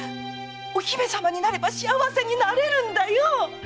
お姫様になれば幸せになれるんだよ！